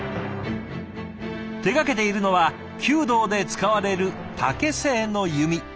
手がけているのは弓道で使われる竹製の弓和弓。